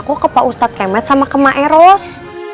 kok ke pak ustadz kemet sama kema eros